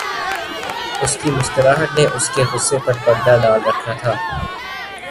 اُس کی مسکراہٹ نے اُس کے غصےپر پردہ ڈال رکھا تھا